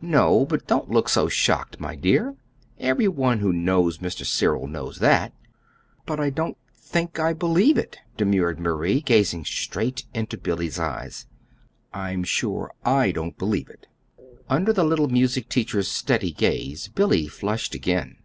"No. But don't look so shocked, my dear. Every one who knows Mr. Cyril knows that." "But I don't think I believe it," demurred Marie, gazing straight into Billy's eyes. "I'm sure I don't believe it." Under the little music teacher's steady gaze Billy flushed again.